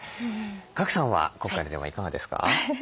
賀来さんは今回のテーマいかがですか？